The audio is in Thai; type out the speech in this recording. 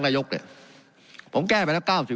การปรับปรุงทางพื้นฐานสนามบิน